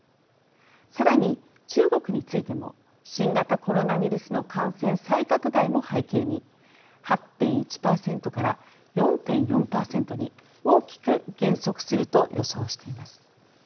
さらに、中国についても新型コロナウイルスの感染再拡大も背景に８．１％から４．４％に大きく減速すると予想しています。